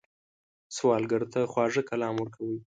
سوالګر ته خواږه کلام ورکوئ